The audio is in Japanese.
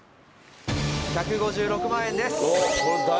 １５６万円です